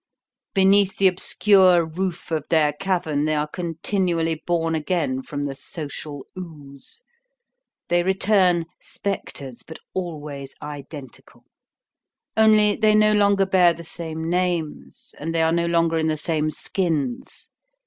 Beneath the obscure roof of their cavern, they are continually born again from the social ooze. They return, spectres, but always identical; only, they no longer bear the same names and they are no longer in the same skins.